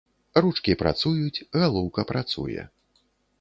Ручкі працуюць, галоўка працуе.